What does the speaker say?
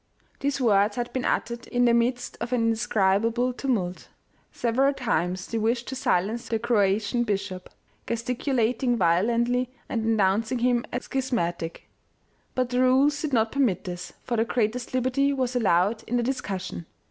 These words had been uttered in the midst of an indescribable tumult ; several times they wished to silence the Croatian bishop, gesticulating violently and denounc ing him as schismatic ; but the rules did not permit this, for the greatest liberty was allowed in the discussion.